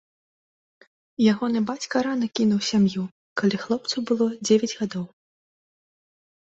Ягоны бацька рана кінуў сям'ю, калі хлопцу было дзевяць гадоў.